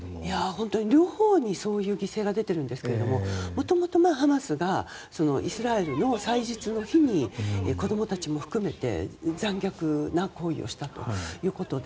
本当に、両方にそういう犠牲が出ているんですけれどももともとハマスがイスラエルの祭日の日に子供たちも含めて残虐な行為をしたということで。